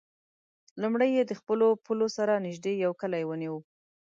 لومړی یې د خپلو پولو سره نژدې یو کلی ونیو.